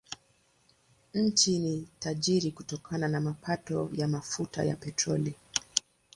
Nchi ni tajiri kutokana na mapato ya mafuta ya petroli.